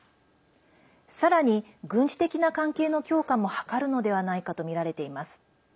さらに、軍事的な関係の強化も図るのではないかとみられています。